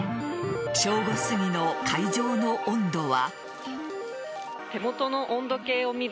正午すぎの会場の温度は。